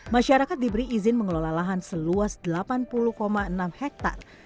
masyarakat diberi izin mengelola lahan seluas delapan puluh enam hektare